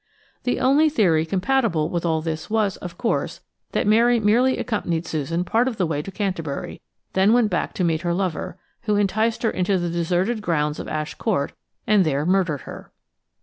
The only theory compatible with all this was, of course, that Mary merely accompanied Susan part of the way to Canterbury, then went back to meet her lover, who enticed her into the deserted grounds of Ash Court, and there murdered her.